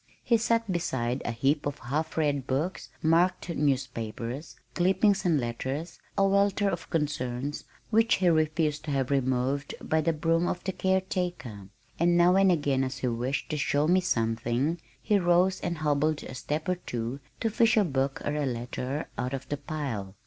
He sat beside a heap of half read books, marked newspapers, clippings and letters, a welter of concerns which he refused to have removed by the broom of the caretaker, and now and again as he wished to show me something he rose and hobbled a step or two to fish a book or a letter out of the pile.